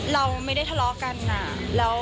เราไม่ได้ทะเลาะกันอะ